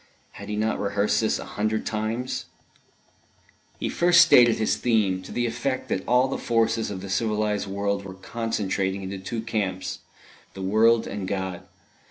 (Had he not rehearsed this a hundred times!) He first stated his theme; to the effect that all the forces of the civilised world were concentrating into two camps the world and God.